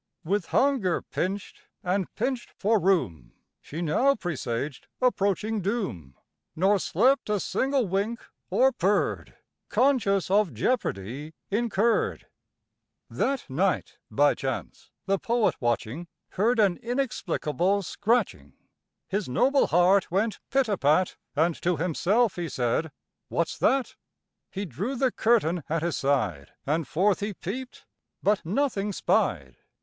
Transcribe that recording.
With hunger pinch'd, and pinch'd for room, She now presaged approaching doom, Nor slept a single wink, or purr'd, Conscious of jeopardy incurr'd. That night, by chance, the poet watching, Heard an inexplicable scratching; His noble heart went pit a pat, And to himself he said "What's that?" He drew the curtain at his side, And forth he peep'd, but nothing spied.